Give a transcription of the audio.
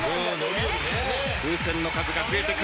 風船の数が増えてくる。